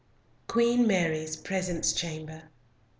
QUEEN MARY'S PRESENCE CHAMBER.